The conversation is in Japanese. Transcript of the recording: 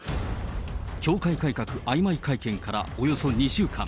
教会改革あいまい会見からおよそ２週間。